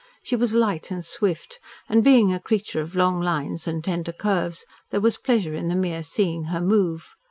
She was light and swift, and being a creature of long lines and tender curves, there was pleasure in the mere seeing her move.